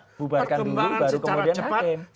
perkembangan secara cepat